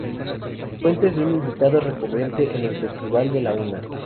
Fuentes fue un invitado recurrente en el ""Festival de la una"".